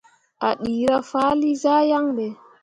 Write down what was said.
A ɗeera faali zah yaŋ ɓe.